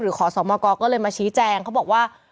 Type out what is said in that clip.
ขอสมกก็เลยมาชี้แจงเขาบอกว่า